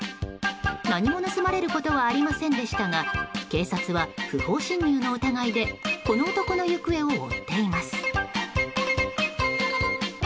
何も盗まれることはありませんでしたが警察は不法侵入の疑いでこの男の行方を追っています。